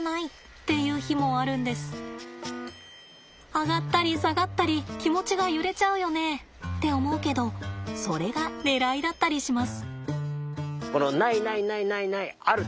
上がったり下がったり気持ちが揺れちゃうよねって思うけどそれがねらいだったりします。